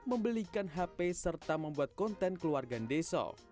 membelikan hp serta membuat konten keluarga ndeso